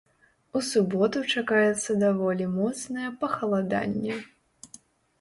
У суботу чакаецца даволі моцнае пахаладанне.